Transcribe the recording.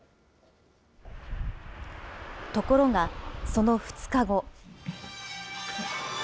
ところが、その２日後。